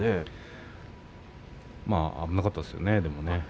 危なかったですね。